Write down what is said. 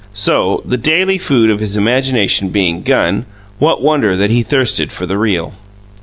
So, the daily food of his imagination being gun, what wonder that he thirsted for the Real!